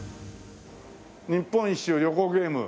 「日本一周旅行ゲーム」